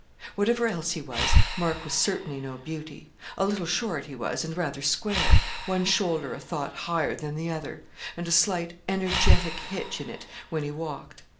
Whatever else he was, Mark was certainly no beauty; a little short he was, and rather square one shoulder a thought higher than the other and a slight, energetic hitch in it when he walked.